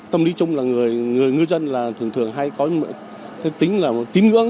tâm lý chung là người dân thường thường hay có tính là tín ngưỡng